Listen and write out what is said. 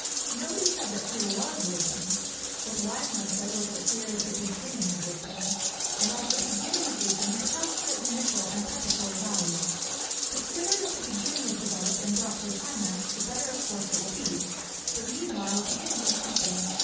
Nobody said that fear was wisdom. What the wise man said was that fear is the beginning of wisdom. And as the beginning of wisdom it has a certain initial and preparatory value. The sooner that the beginning is developed and brought to a climax, the better of course it will be. But meanwhile a beginning is something.